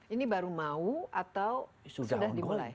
ini baru mau atau sudah dimulai